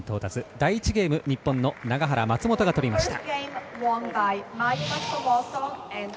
第１ゲーム、日本の永原、松本が取りました。